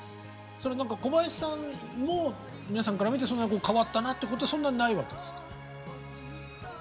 それは何か小林さんも皆さんから見て変わったなっていうことそんなにないわけですか？